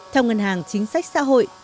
theo ngân hàng chính sách xã hội